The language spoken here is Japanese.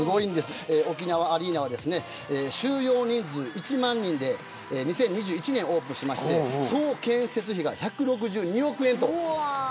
沖縄アリーナは収容人数１万人で２０２１年にオープンして総建設費が、１６２億円。